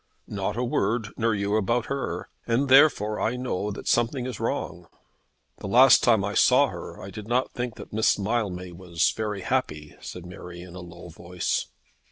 "Not a word; nor you about her. And, therefore, I know that something is wrong." "The last time I saw her I did not think that Miss Mildmay was very happy," said Mary, in a low voice.